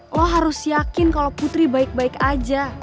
lo harus yakin kalau putri baik baik aja